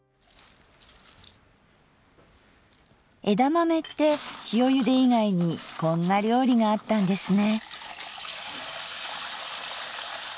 枝豆って塩ゆで以外にこんな料理があったんですね。